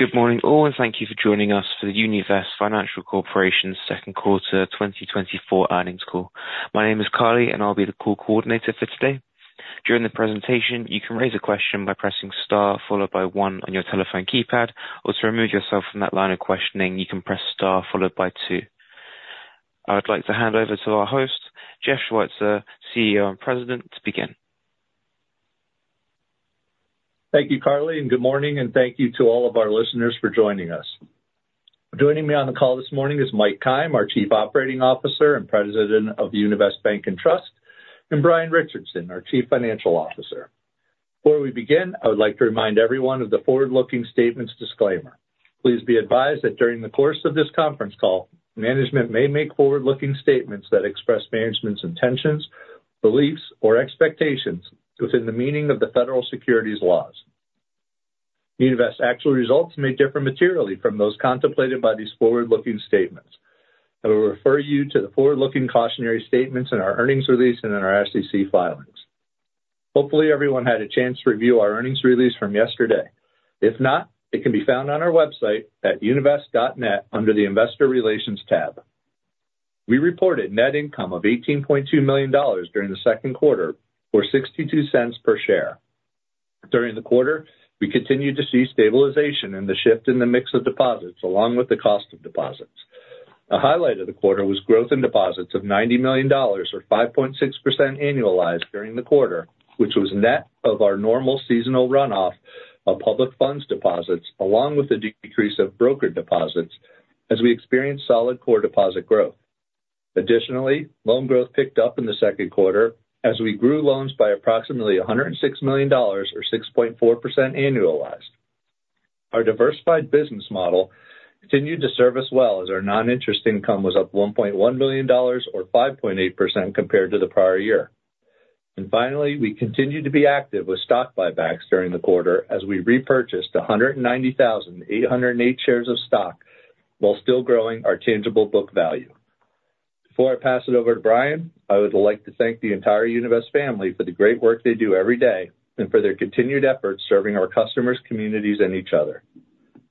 Good morning all, and thank you for joining us for the Univest Financial Corporation's second quarter 2024 earnings call. My name is Carly, and I'll be the call coordinator for today. During the presentation, you can raise a question by pressing star followed by one on your telephone keypad, or to remove yourself from that line of questioning, you can press star followed by two. I would like to hand over to our host, Jeff Schweitzer, CEO and President, to begin. Thank you, Carly, and good morning, and thank you to all of our listeners for joining us. Joining me on the call this morning is Mike Keim, our Chief Operating Officer and President of Univest Bank and Trust, and Brian Richardson, our Chief Financial Officer. Before we begin, I would like to remind everyone of the forward-looking statements disclaimer. Please be advised that during the course of this conference call, management may make forward-looking statements that express management's intentions, beliefs, or expectations within the meaning of the federal securities laws. Univest's actual results may differ materially from those contemplated by these forward-looking statements. I will refer you to the forward-looking cautionary statements in our earnings release and in our SEC filings. Hopefully, everyone had a chance to review our earnings release from yesterday. If not, it can be found on our website at univest.net under the Investor Relations tab. We reported net income of $18.2 million during the second quarter, or $0.62 per share. During the quarter, we continued to see stabilization and the shift in the mix of deposits, along with the cost of deposits. A highlight of the quarter was growth in deposits of $90 million, or 5.6% annualized during the quarter, which was net of our normal seasonal runoff of public funds deposits, along with the decrease of brokered deposits, as we experienced solid core deposit growth. Additionally, loan growth picked up in the second quarter, as we grew loans by approximately $106 million, or 6.4% annualized. Our diversified business model continued to serve us well, as our non-interest income was up $1.1 million, or 5.8% compared to the prior year. Finally, we continued to be active with stock buybacks during the quarter, as we repurchased 190,808 shares of stock while still growing our tangible book value. Before I pass it over to Brian, I would like to thank the entire Univest family for the great work they do every day and for their continued efforts serving our customers, communities, and each other.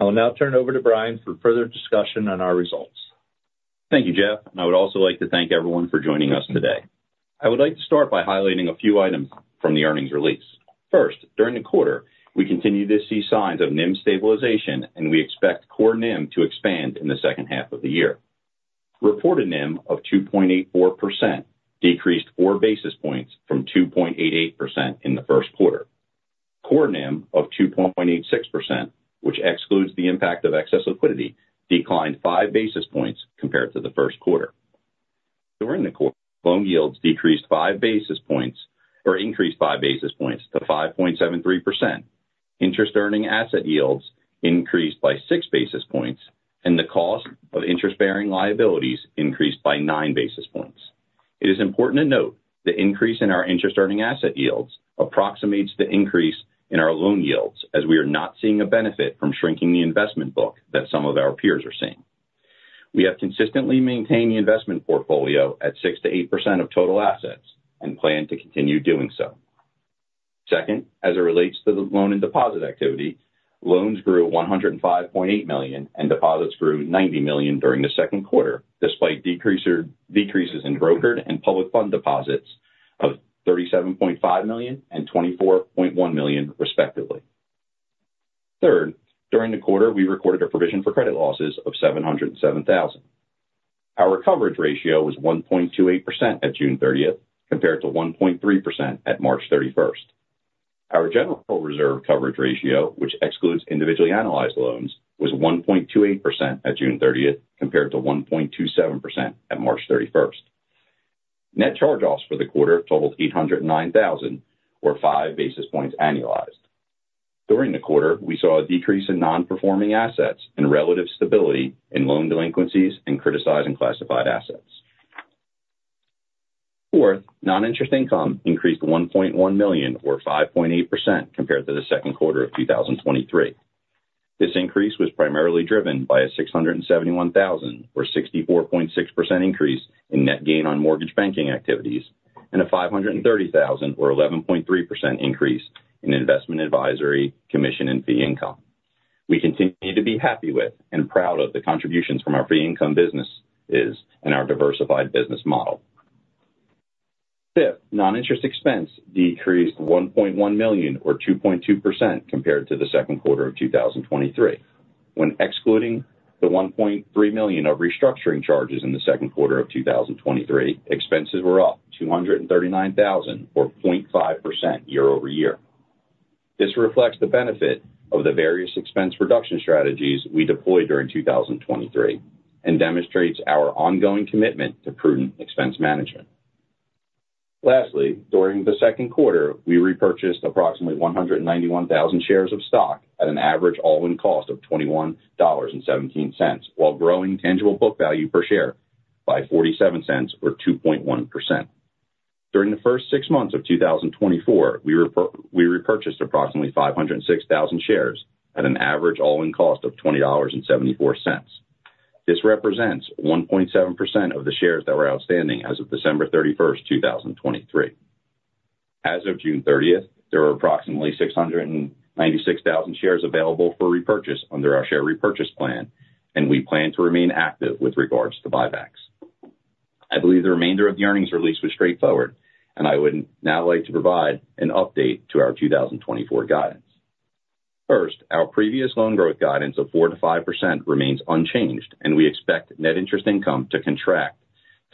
I will now turn it over to Brian for further discussion on our results. Thank you, Jeff. And I would also like to thank everyone for joining us today. I would like to start by highlighting a few items from the earnings release. First, during the quarter, we continued to see signs of NIM stabilization, and we expect core NIM to expand in the second half of the year. Reported NIM of 2.84% decreased 4 basis points from 2.88% in the first quarter. Core NIM of 2.86%, which excludes the impact of excess liquidity, declined 5 basis points compared to the first quarter. During the quarter, loan yields decreased 5 basis points, or increased 5 basis points to 5.73%. Interest-earning asset yields increased by 6 basis points, and the cost of interest-bearing liabilities increased by 9 basis points. It is important to note the increase in our interest-earning asset yields approximates the increase in our loan yields, as we are not seeing a benefit from shrinking the investment book that some of our peers are seeing. We have consistently maintained the investment portfolio at 6%-8% of total assets and plan to continue doing so. Second, as it relates to the loan and deposit activity, loans grew $105.8 million and deposits grew $90 million during the second quarter, despite decreases in brokered and public fund deposits of $37.5 million and $24.1 million, respectively. Third, during the quarter, we recorded a provision for credit losses of $707,000. Our coverage ratio was 1.28% at June 30th compared to 1.3% at March 31st. Our general reserve coverage ratio, which excludes individually analyzed loans, was 1.28% at June 30th compared to 1.27% at March 31st. Net charge-offs for the quarter totaled $809,000, or five basis points annualized. During the quarter, we saw a decrease in non-performing assets and relative stability in loan delinquencies and criticized and classified assets. Fourth, non-interest income increased $1.1 million, or 5.8%, compared to the second quarter of 2023. This increase was primarily driven by a $671,000, or 64.6%, increase in net gain on mortgage banking activities and a $530,000, or 11.3%, increase in investment advisory, commission, and fee income. We continue to be happy with and proud of the contributions from our fee-income businesses and our diversified business model. Fifth, non-interest expense decreased $1.1 million, or 2.2%, compared to the second quarter of 2023. When excluding the $1.3 million of restructuring charges in the second quarter of 2023, expenses were up $239,000, or 0.5%, year-over-year. This reflects the benefit of the various expense reduction strategies we deployed during 2023 and demonstrates our ongoing commitment to prudent expense management. Lastly, during the second quarter, we repurchased approximately 191,000 shares of stock at an average all-in cost of $21.17, while growing tangible book value per share by $0.47, or 2.1%. During the first six months of 2024, we repurchased approximately 506,000 shares at an average all-in cost of $20.74. This represents 1.7% of the shares that were outstanding as of December 31st, 2023. As of June 30th, there were approximately 696,000 shares available for repurchase under our share repurchase plan, and we plan to remain active with regards to buybacks. I believe the remainder of the earnings release was straightforward, and I would now like to provide an update to our 2024 guidance. First, our previous loan growth guidance of 4%-5% remains unchanged, and we expect net interest income to contract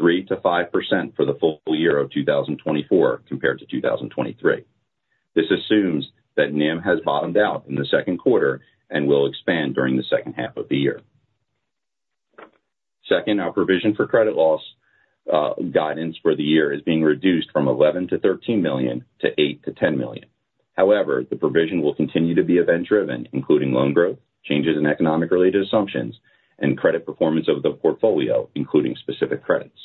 3%-5% for the full year of 2024 compared to 2023. This assumes that NIM has bottomed out in the second quarter and will expand during the second half of the year. Second, our provision for credit loss guidance for the year is being reduced from $11-$13 million to $8-$10 million. However, the provision will continue to be event-driven, including loan growth, changes in economic-related assumptions, and credit performance of the portfolio, including specific credits.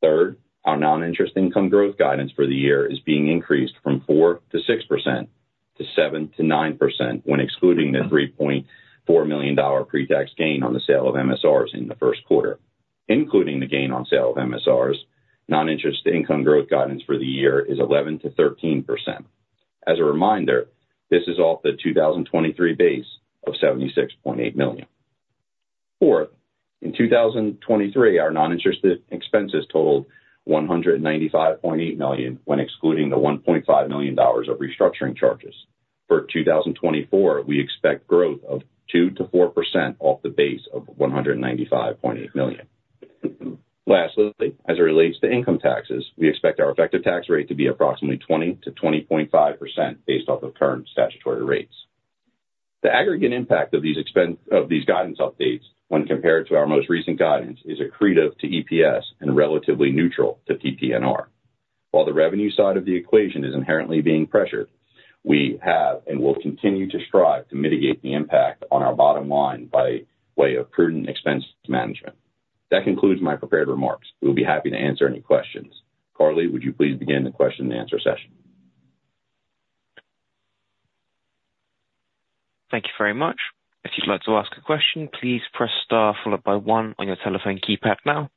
Third, our non-interest income growth guidance for the year is being increased from 4%-6% to 7%-9% when excluding the $3.4 million pre-tax gain on the sale of MSRs in the first quarter. Including the gain on sale of MSRs, non-interest income growth guidance for the year is 11%-13%. As a reminder, this is off the 2023 base of $76.8 million. Fourth, in 2023, our non-interest expenses totaled $195.8 million when excluding the $1.5 million of restructuring charges. For 2024, we expect growth of 2%-4% off the base of $195.8 million. Lastly, as it relates to income taxes, we expect our effective tax rate to be approximately 20%-20.5% based off of current statutory rates. The aggregate impact of these guidance updates, when compared to our most recent guidance, is accretive to EPS and relatively neutral to PPNR. While the revenue side of the equation is inherently being pressured, we have and will continue to strive to mitigate the impact on our bottom line by way of prudent expense management. That concludes my prepared remarks. We'll be happy to answer any questions. Carly, would you please begin the question-and-answer session? Thank you very much. If you'd like to ask a question, please press star followed by one on your telephone keypad now.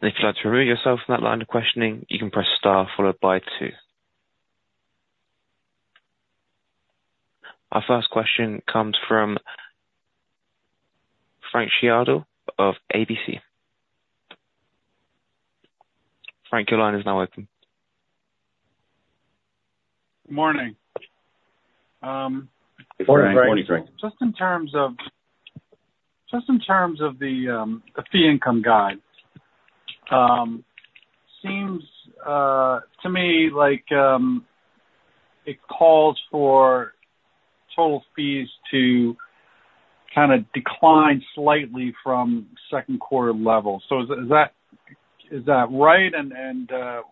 And if you'd like to remove yourself from that line of questioning, you can press star followed by two. Our first question comes from Frank Schiraldi of Piper Sandler. Frank, your line is now open. Good morning. Good morning, Frank. Just in terms of the fee-income guide, it seems to me like it calls for total fees to kind of decline slightly from second quarter levels. So is that right? And kind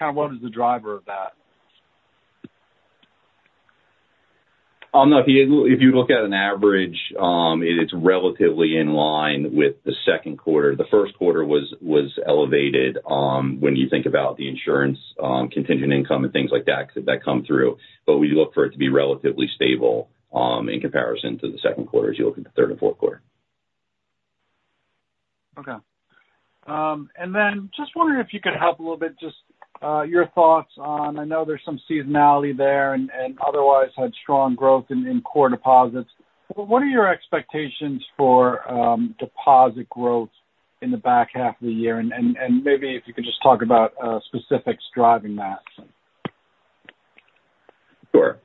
of what is the driver of that? I'll note here, if you look at an average, it's relatively in line with the second quarter. The first quarter was elevated when you think about the insurance, contingent income, and things like that that come through. But we look for it to be relatively stable in comparison to the second quarter as you look at the third and fourth quarter. Okay. And then just wondering if you could help a little bit, just your thoughts on I know there's some seasonality there and otherwise had strong growth in core deposits. What are your expectations for deposit growth in the back half of the year? And maybe if you could just talk about specifics driving that. Sure.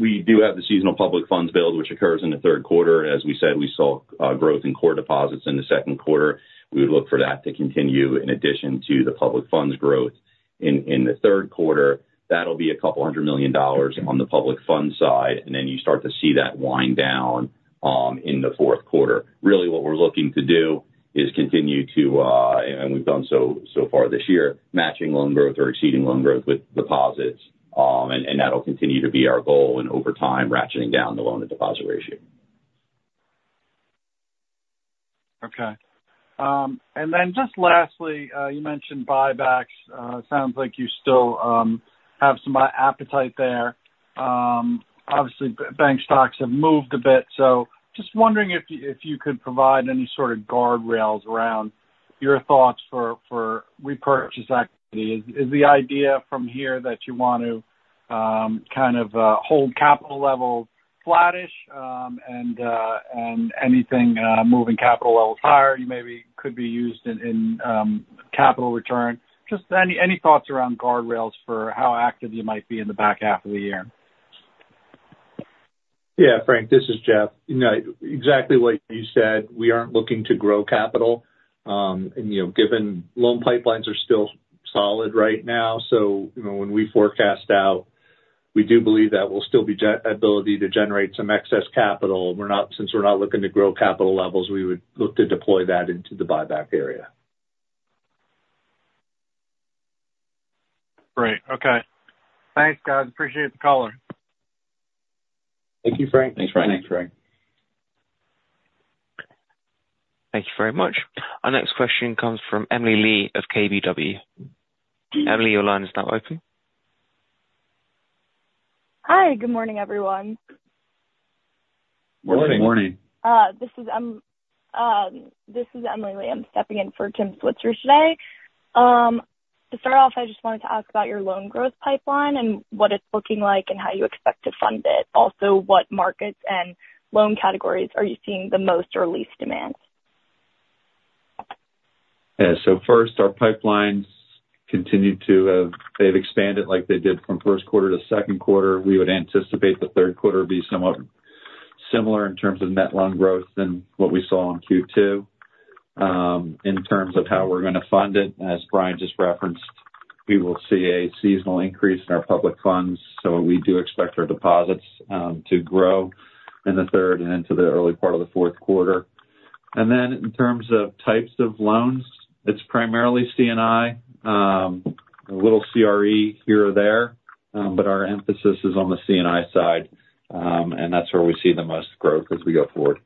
We do have the seasonal public funds build, which occurs in the third quarter. As we said, we saw growth in core deposits in the second quarter. We would look for that to continue in addition to the public funds growth in the third quarter. That'll be $200 million on the public fund side, and then you start to see that wind down in the fourth quarter. Really, what we're looking to do is continue to, and we've done so far this year, matching loan growth or exceeding loan growth with deposits. And that'll continue to be our goal and over time ratcheting down the loan-to-deposit ratio. Okay. And then just lastly, you mentioned buybacks. It sounds like you still have some appetite there. Obviously, bank stocks have moved a bit. So just wondering if you could provide any sort of guardrails around your thoughts for repurchase activity. Is the idea from here that you want to kind of hold capital levels flattish and anything moving capital levels higher maybe could be used in capital return? Just any thoughts around guardrails for how active you might be in the back half of the year? Yeah, Frank, this is Jeff. Exactly what you said. We aren't looking to grow capital. And given loan pipelines are still solid right now, so when we forecast out, we do believe that we'll still be able to generate some excess capital. Since we're not looking to grow capital levels, we would look to deploy that into the buyback area. Great. Okay. Thanks, guys. Appreciate the caller. Thank you, Frank. Thanks, Frank. Thanks, Frank. Thank you very much. Our next question comes from Emily Lee of KBW. Emily, your line is now open. Hi. Good morning, everyone. Morning. Morning. This is Emily Lee. I'm stepping in for Tim Switzer today. To start off, I just wanted to ask about your loan growth pipeline and what it's looking like and how you expect to fund it. Also, what markets and loan categories are you seeing the most or least demand? So first, our pipelines continue to have, they've expanded like they did from first quarter to second quarter. We would anticipate the third quarter would be somewhat similar in terms of net loan growth than what we saw in Q2. In terms of how we're going to fund it, as Brian just referenced, we will see a seasonal increase in our public funds. So we do expect our deposits to grow in the third and into the early part of the fourth quarter. And then in terms of types of loans, it's primarily C&I, a little CRE here or there, but our emphasis is on the C&I side. And that's where we see the most growth as we go forward.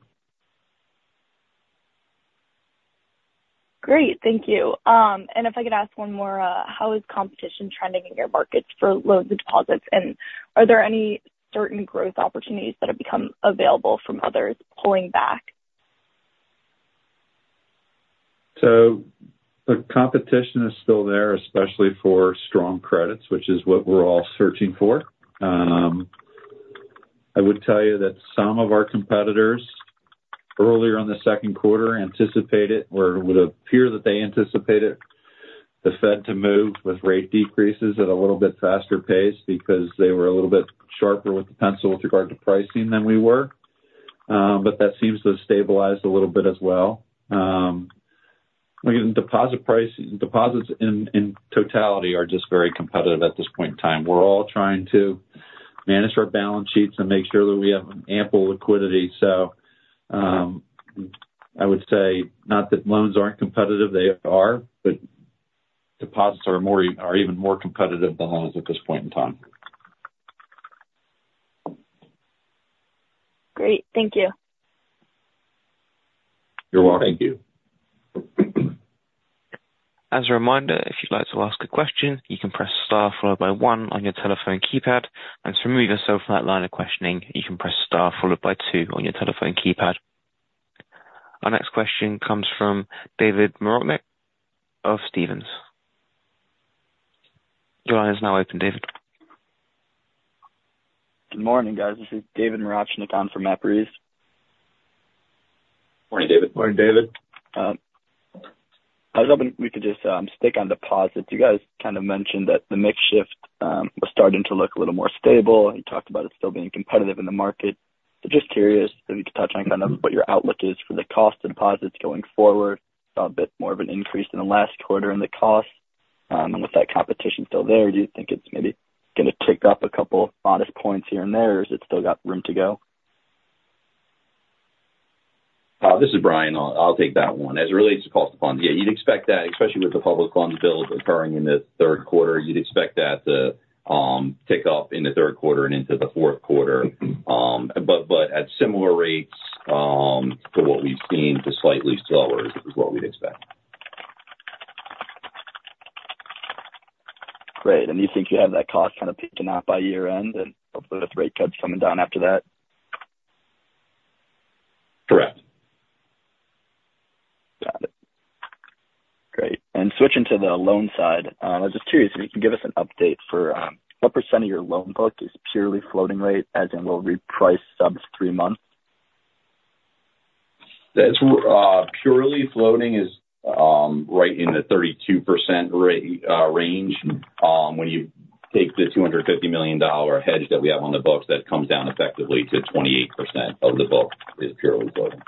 Great. Thank you. If I could ask one more, how is competition trending in your markets for loans and deposits? Are there any certain growth opportunities that have become available from others pulling back? So the competition is still there, especially for strong credits, which is what we're all searching for. I would tell you that some of our competitors earlier in the second quarter anticipated, or it would appear that they anticipated, the Fed to move with rate decreases at a little bit faster pace because they were a little bit sharper with the pencil with regard to pricing than we were. But that seems to have stabilized a little bit as well. Deposits in totality are just very competitive at this point in time. We're all trying to manage our balance sheets and make sure that we have ample liquidity. So I would say not that loans aren't competitive. They are, but deposits are even more competitive than loans at this point in time. Great. Thank you. You're welcome. Thank you. As a reminder, if you'd like to ask a question, you can press star followed by one on your telephone keypad. And to remove yourself from that line of questioning, you can press star followed by two on your telephone keypad. Our next question comes from David Mirochnick of Stephens Inc. Your line is now open, David. Good morning, guys. This is David Mirochnick for Matt Breese. Morning, David. Morning, David. I was hoping we could just stick on deposits. You guys kind of mentioned that the mix shift was starting to look a little more stable. You talked about it still being competitive in the market. So just curious if you could touch on kind of what your outlook is for the cost of deposits going forward. Saw a bit more of an increase in the last quarter in the cost. With that competition still there, do you think it's maybe going to tick up a couple modest points here and there, or has it still got room to go? This is Brian. I'll take that one. As it relates to cost of funds, yeah, you'd expect that, especially with the public funds build occurring in the third quarter, you'd expect that to tick up in the third quarter and into the fourth quarter. But at similar rates to what we've seen, just slightly slower is what we'd expect. Great. And you think you have that cost kind of picking up by year-end and hopefully with rate cuts coming down after that? Correct. Got it. Great. Switching to the loan side, I was just curious if you can give us an update for what percent of your loan book is purely floating rate, as in we'll reprice sub three months? That's purely floating is right in the 32% range. When you take the $250 million hedge that we have on the book, that comes down effectively to 28% of the book is purely floating.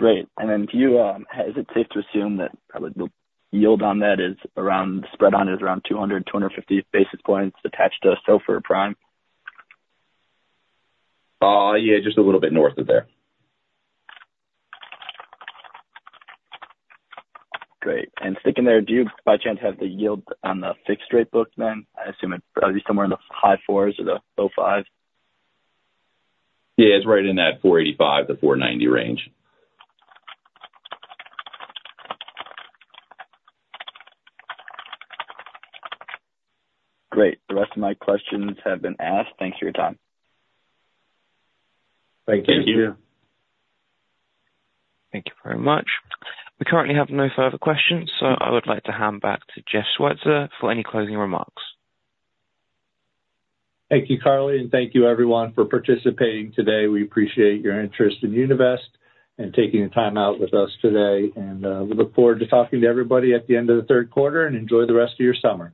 Great. And then to you, is it safe to assume that probably the yield on that is around spread on is around 200-250 basis points attached to a SOFR, Prime? Yeah, just a little bit north of there. Great. And sticking there, do you by chance have the yield on the fixed-rate book then? I assume it's probably somewhere in the high fours or the low fives? Yeah, it's right in that 485-490 range. Great. The rest of my questions have been asked. Thanks for your time. Thank you. Thank you. Thank you very much. We currently have no further questions, so I would like to hand back to Jeff Schweitzer for any closing remarks. Thank you, Carly, and thank you everyone for participating today. We appreciate your interest in Univest and taking the time out with us today. We look forward to talking to everybody at the end of the third quarter, and enjoy the rest of your summer.